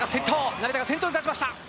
成田が先頭に立ちました。